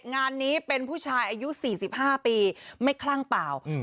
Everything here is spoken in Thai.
งานนี้เป็นผู้ชายอายุสี่สิบห้าปีไม่คลั่งเปล่าอืม